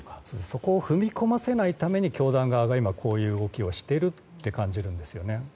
そこを踏み込ませないために教団側が今、こういう動きをしていると感じられます。